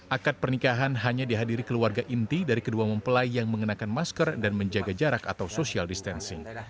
akad pernikahan hanya dihadiri keluarga inti dari kedua mempelai yang mengenakan masker dan menjaga jarak atau social distancing